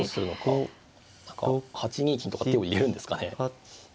何か８二金とか手を入れるんですかね。